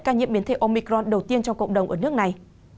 ca nhiễm biến thể omicron đầu tiên trong cộng đồng ở nước này